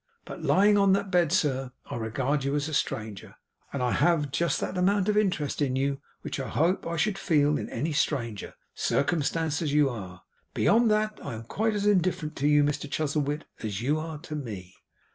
But lying on that bed, sir, I regard you as a stranger, and I have just that amount of interest in you which I hope I should feel in any stranger, circumstanced as you are. Beyond that, I am quite as indifferent to you, Mr Chuzzlewit, as you are to me.